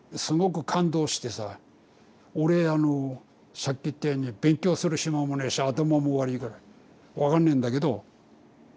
俺あのさっき言ったように勉強する暇もねえし頭も悪いから分かんねえんだけど